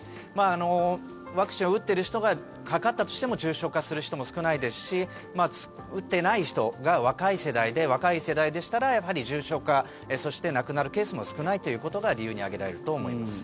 ワクチンを打っている人がかかったとしても重症化する人も少ないですし打っていない人が若い世代で若い世代でしたらやはり重症化そして、亡くなるケースも少ないということが理由に挙げられると思います。